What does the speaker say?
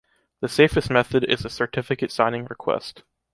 The safest method is a Certificate Signing Request.